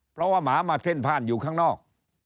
เพราะว่าหมามาเพ่นพ่านอยู่ข้างนอก